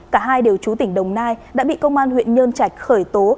cả hai đều trú tỉnh đồng nai đã bị công an huyện nhơn trạch khởi tố